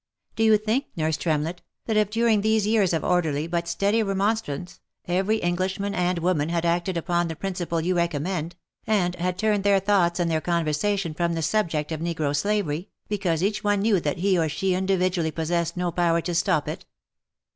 Do you think, nurse Tremlett, that if during these years of orderly, but steady re monstrance, every Englishman and woman had acted upon the prin ciple you recommend, and had turned their thoughts and their conversation from the subject of negro slavery, because each one knew that he or she individually possessed no power to stop it.